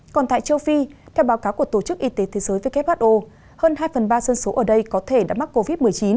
còn tại châu phi theo báo cáo của tổ chức y tế thế giới who hơn hai phần ba dân số ở đây có thể đã mắc covid một mươi chín